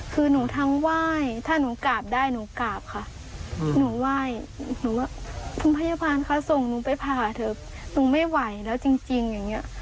คุณพยาบาลคะส่งหนูไปพาเธอหนูไม่ไหวแล้วจริงอย่างนี้